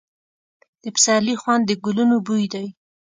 د پسرلي خوند د ګلونو بوی دی.